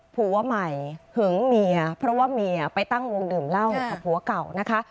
ผัวใหม่หึงเมียเพราะว่าเมียไปตั้งวงดื่มเหล้ากับผัวเก่านะคะ